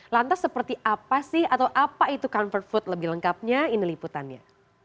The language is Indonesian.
lantas seperti apa sih atau apa itu comfort food lebih lengkapnya ini liputannya